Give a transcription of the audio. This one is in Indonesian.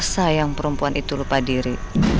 sayang perempuan itu lupa diri